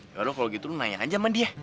yaudah kalau gitu lo nanya aja sama dia ya